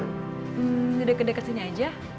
hmm duduk duduk di sini aja